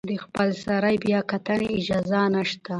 د خپلسرې بیاکتنې اجازه نشته.